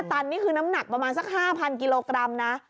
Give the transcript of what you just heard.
ตันนี่คือน้ำหนักประมาณสัก๕๐๐กิโลกรัมนะ